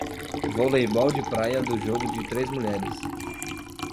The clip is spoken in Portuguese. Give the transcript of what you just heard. Voleibol de praia do jogo de três mulheres.